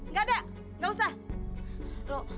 gak ada gak usah